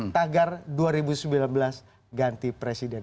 tagar dua ribu sembilan belas ganti presiden